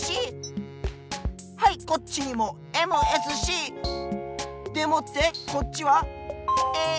はいこっちにもＭＳＣ！でもってこっちはＡＳＣ！